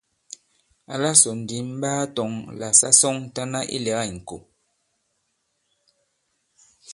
Àla sɔ̀ ndì m ɓaa tɔ̄ŋ àlà sa sɔŋtana ilɛ̀ga ìŋkò.